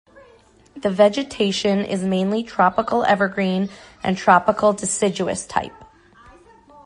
The vegetation is mainly Tropical Evergreen and Tropical Deciduous type.